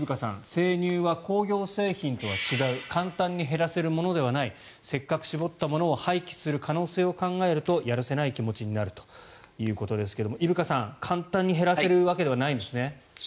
生乳は工業製品とは違う簡単に減らせるものではないせっかく搾ったものを廃棄する可能性を考えるとやるせない気持ちになるということですけど伊深さん、簡単に減らせるわけではないんですね。